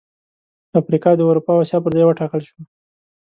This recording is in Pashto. افریقا د اروپا او اسیا پر ځای وټاکل شوه.